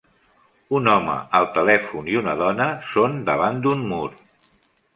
Un home al telèfon i una dona són davant d'un mur.